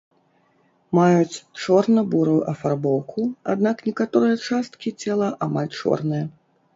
Маюць чорна-бурую афарбоўку, аднак некаторыя часткі цела амаль чорныя.